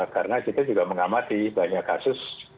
karena kita juga mengamati banyak kasus